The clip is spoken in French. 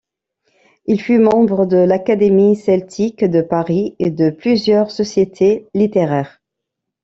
Il fut membre de l'Académie celtique de Paris, et de plusieurs sociétés littéraires.